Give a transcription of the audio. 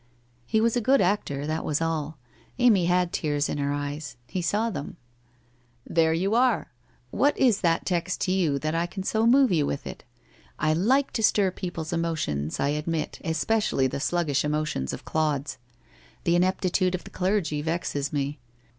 He was a good actor, that was all. Amy had tears in her eyes. He saw them. ' There you are ! What is that text to you that I can so move you with it? I like to stir people's emotions, I admit, especially the sluggish emotions of clods. The ineptitude of the clergy vexes me.